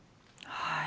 はい。